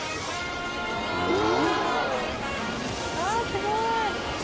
・すごい。